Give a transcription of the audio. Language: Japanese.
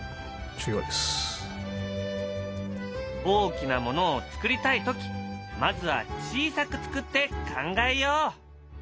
大きなものをつくりたい時まずは小さくつくって考えよう！